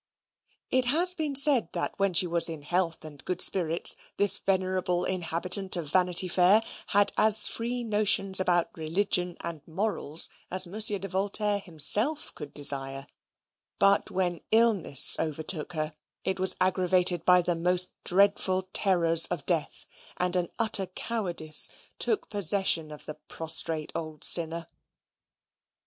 It has been said that when she was in health and good spirits, this venerable inhabitant of Vanity Fair had as free notions about religion and morals as Monsieur de Voltaire himself could desire, but when illness overtook her, it was aggravated by the most dreadful terrors of death, and an utter cowardice took possession of the prostrate old sinner.